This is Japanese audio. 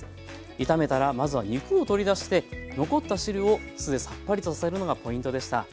炒めたらまずは肉を取り出して残った汁を酢でさっぱりとさせるのがポイントでした。